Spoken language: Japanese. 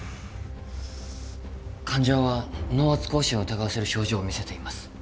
患者は脳圧亢進を疑わせる症状を見せています。